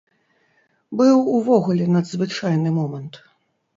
Быў увогуле надзвычайны момант.